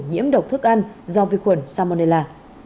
nhiễm độc thức ăn do vi khuẩn salmonella